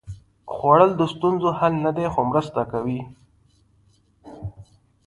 خوړل د ستونزو حل نه دی، خو مرسته کوي